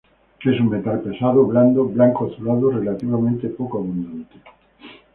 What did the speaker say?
Es un metal pesado, blando, blanco azulado, relativamente poco abundante.